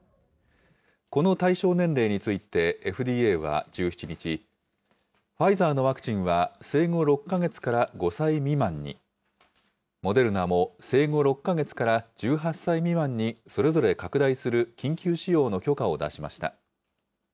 この対象年齢について、ＦＤＡは１７日、ファイザーのワクチンは、生後６か月から５歳未満に、モデルナも生後６か月から１８歳未満にそれぞれ拡大する緊急使用の許可を出しました。